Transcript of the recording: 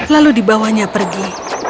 lalu dibawanya pergi